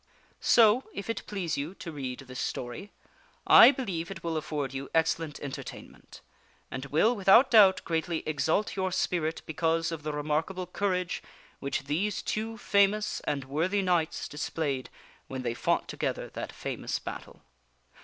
So, if it please you to read this story, I believe it will afford you excellent enter tainment, and will, without doubt, greatly exalt your spirit because of the remark able courage which those two famous and worthy knights displayed when they fought together that famous battle.